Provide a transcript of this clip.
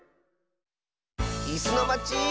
「いすのまち」。